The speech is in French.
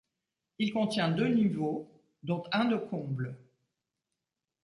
Il contient deux niveaux, dont un de combles.